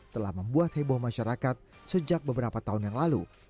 telah membuat heboh masyarakat sejak beberapa tahun yang lalu